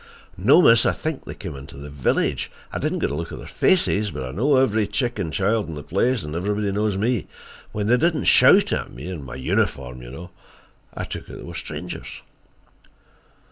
"No, miss. I think they came into the village. I didn't get a look at their faces, but I know every chick and child in the place, and everybody knows me. When they didn't shout at me—in my uniform, you know—I took it they were strangers."